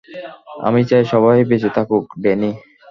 আমি চাই সবাই বেঁচে থাকুক, ড্যানি।